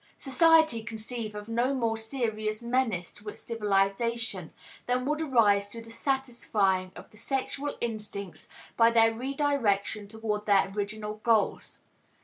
Society can conceive of no more serious menace to its civilization than would arise through the satisfying of the sexual instincts by their redirection toward their original goals.